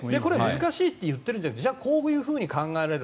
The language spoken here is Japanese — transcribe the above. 難しいと言ってるんじゃなくてじゃあ、こういうふうに考える。